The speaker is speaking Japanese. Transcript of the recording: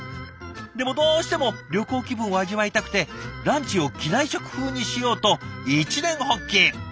でもどうしても旅行気分を味わいたくてランチを機内食風にしようと一念発起。